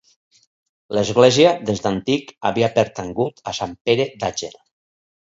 L'església des d'antic havia pertangut a Sant Pere d'Àger.